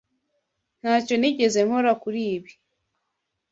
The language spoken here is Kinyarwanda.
Ntacyo nigeze nkora kuri ibi.